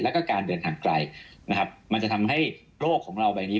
แล้วก็การเดินทางไกลนะครับมันจะทำให้โรคของเราใบนี้